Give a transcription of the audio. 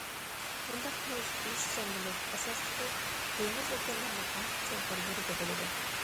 بۇنداق مۇز كۆيۈشچان بولۇپ، ئاساسلىقى، دېڭىز- ئوكيانلارنىڭ ئەڭ چوڭقۇر يېرىدە بولىدۇ.